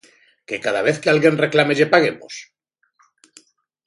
¿Que cada vez que alguén reclame lle paguemos?